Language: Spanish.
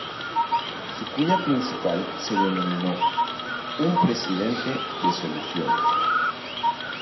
Su cuña principal se denominó "Un Presidente de Soluciones".